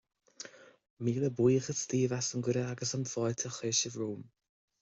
Míle buíochas daoibh as an gcuireadh agus as an bhfáilte a chuir sibh romham.